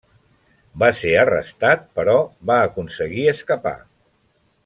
Va ser arrestat però va aconseguir escapar.